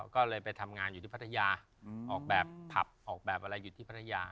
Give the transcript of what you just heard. ก็เลยไปทำงานอยู่ที่พัทยาออกแบบผับออกแบบอะไรอยู่ที่พัทยา